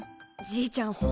じいちゃん